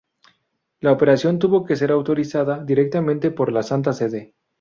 La operación tuvo que ser autorizada directamente por la Santa Sede.